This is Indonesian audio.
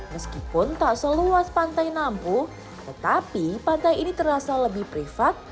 meskipun tak seluas pantai nampu tetapi pantai ini terasa lebih privat